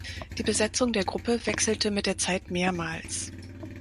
Die Besetzung der Gruppe wechselte mit der Zeit mehrmals.